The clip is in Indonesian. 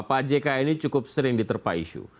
pak jk ini cukup sering diterpa isu